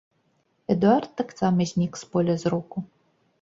Эдуард таксама знік з поля зроку.